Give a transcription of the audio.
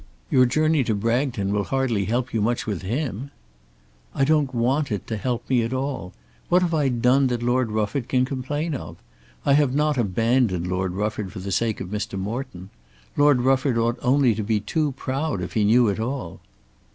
"Your journey to Bragton will hardly help you much with him." "I don't want it to help me at all. What have I done that Lord Rufford can complain of? I have not abandoned Lord Rufford for the sake of Mr. Morton. Lord Rufford ought only to be too proud if he knew it all."